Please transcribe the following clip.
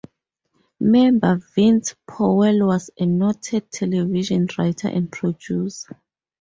Member Vince Powell was a noted television writer and producer.